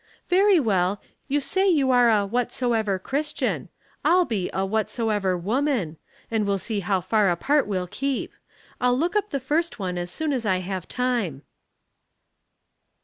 "Very well. You say you are a 'whatsoever' Christian. I'll be a ' whatsoever ' woman ; and we'll see how far apart we'll keep. I'll look up the first one as soon as I have time."